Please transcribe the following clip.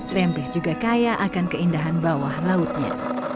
lembeh juga kaya akan keindahan bawah lautnya